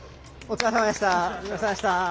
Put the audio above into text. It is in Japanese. お疲れさまでした。